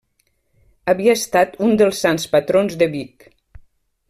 Havia estat un dels sants patrons de Vic.